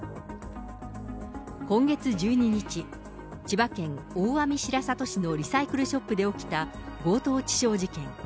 今月１２日、千葉県大網白里市のリサイクルショップで起きた強盗致傷事件。